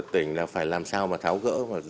tỉnh phải làm sao mà tháo gỡ